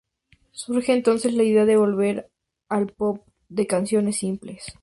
Surge entonces la idea de volver al pop de canciones simples.